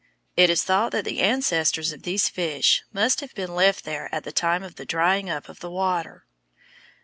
It is thought that the ancestors of these fish must have been left there at the time of the drying up of the water.